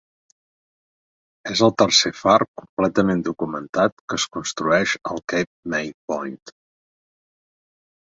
És el tercer far completament documentat que es construeix al Cape May Point.